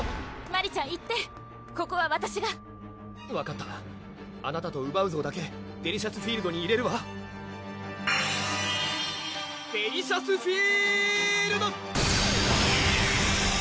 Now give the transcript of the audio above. マリちゃん行ってここはわたしが分かったあなたとウバウゾーだけデリシャスフィールドに入れるわデリシャスフィールド！